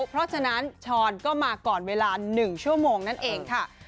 เพราะฉะนั้นช้อนก็มาก่อนเวลา๑ชั่วโมงนั่นเองค่ะ